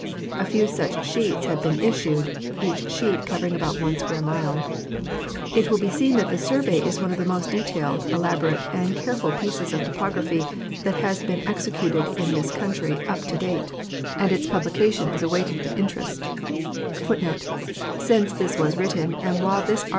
A few such sheets have been issued, each sheet covering about one square mile. It will be seen that this survey is one of the most de tailed, elaborate, and careful pieces of topography that has been executed in this country up to date, and its publication is = The first Meridian.